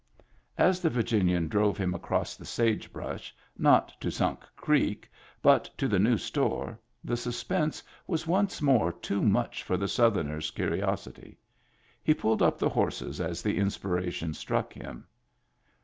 As the Virginian drove him across the sage brush, not to Sunk Creek, but to the new store, the suspense was once more too much for the Southerner's curiosity. He pulled up the horses as the inspiration struck him.